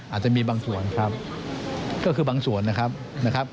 อาจจะมีบางส่วนครับก็คือบางส่วนนะครับนะครับ